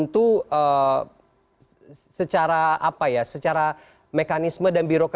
terima kasih bang dhani juga